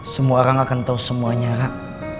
semua orang akan tahu semuanya rak